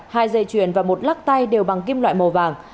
hai dây chuyền và một lắc tay đều bằng kim loại màu vàng